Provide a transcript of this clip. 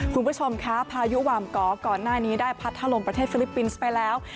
คุณผู้ชมคะพายุหวามกอก่อนหน้านี้ได้พัดถล่มประเทศฟิลิปปินส์ไปแล้ว